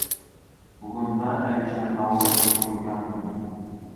Bugun Mir Alisher Navoiy tug‘ilgan kun